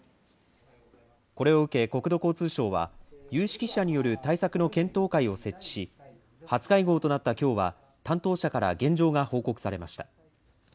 これを受け国土交通省は、有識者による対策の検討会を設置し、初会合となったきょうは、担当者から現状が報告されました。